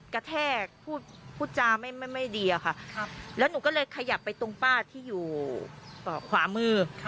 กระแทกพูดจาไม่ดีอะค่ะแล้วหนูก็เลยขยับไปตรงป้าที่อยู่ขวามือ